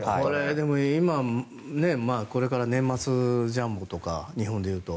でも、今、これから年末ジャンボとか日本でいうと。